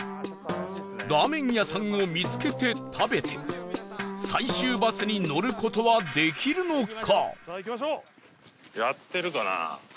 ラーメン屋さんを見つけて食べて最終バスに乗る事はできるのか？